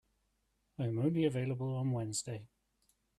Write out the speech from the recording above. I am only available on Wednesday.